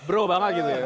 bro banget gitu ya